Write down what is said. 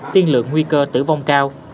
tiên lượng nguy cơ tử vong cao